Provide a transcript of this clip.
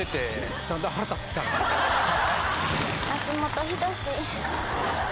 松本人志。